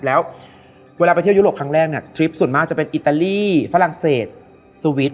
แล้วเวลาไปเที่ยวยุโรปครั้งแรกเนี่ยทริปส่วนมากจะเป็นอิตาลีฝรั่งเศสวิท